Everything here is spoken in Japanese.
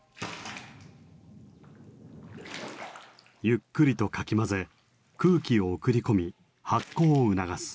ゆっくりとかき混ぜ空気を送り込み発酵を促す。